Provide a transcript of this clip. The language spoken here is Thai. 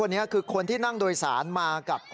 นี่คืออะไรค่ะ